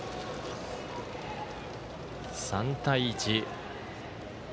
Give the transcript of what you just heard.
３対１。